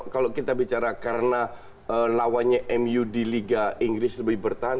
kalau kita bicara karena lawannya mu di liga inggris lebih bertahan